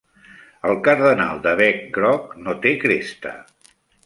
El cardenal de bec groc no té cresta.